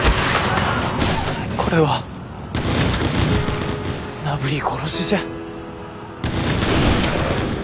これはなぶり殺しじゃ。